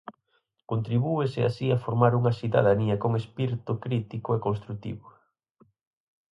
Contribúese así a formar unha cidadanía con espírito crítico e construtivo.